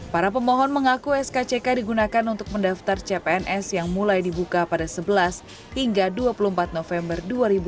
para pemohon mengaku skck digunakan untuk mendaftar cpns yang mulai dibuka pada sebelas hingga dua puluh empat november dua ribu dua puluh